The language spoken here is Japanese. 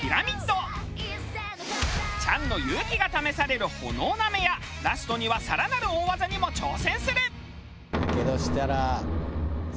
チャンの勇気が試される炎舐めやラストには更なる大技にも挑戦する！